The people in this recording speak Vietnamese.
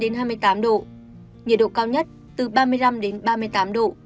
nhiệt độ cao nhất từ ba mươi năm đến ba mươi tám độ